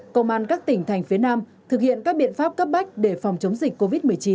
công an các tỉnh thành phía nam thực hiện các biện pháp cấp bách để phòng chống dịch covid một mươi chín